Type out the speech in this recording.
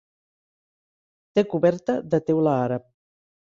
Té coberta de teula àrab.